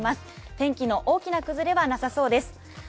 天気の大きな崩れはなさそうです。